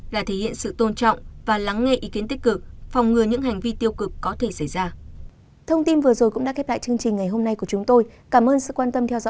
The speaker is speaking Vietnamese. là thể hiện sự tôn trọng và lắng nghe ý kiến tích cực phòng ngừa những hành vi tiêu cực có thể xảy ra